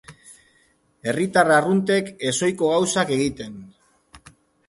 Herritar arruntek ezohiko gauzak egiten.